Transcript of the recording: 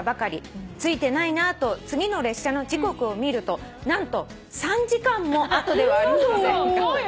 「ついてないなぁと次の列車の時刻を見ると何と３時間も後ではありませんか」